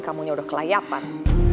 kamunya udah kelayapan